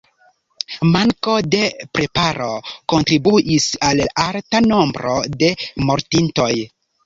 Manko de preparo kontribuis al la alta nombro de mortintoj.